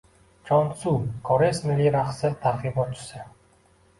Chonsu – koreys milliy raqsi targ‘ibotchisi